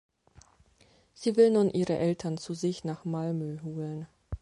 Sie will nun ihre Eltern zu sich nach Malmö holen.